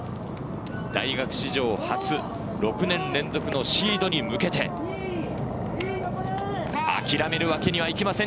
大学史上初６年連続のシードに向けて、諦めるわけにはいきません。